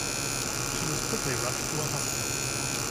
She was quickly rushed to a hospital.